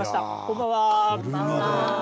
こんばんは。